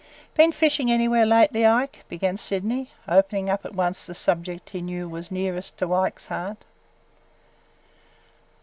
"Been fishin' anywhere lately, Ike?" began Sydney, opening up at once the subject he knew was nearest Ike's heart.